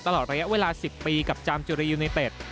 ตลอดระยะเวลา๑๐ปีกับจามจุรียูเนเต็ด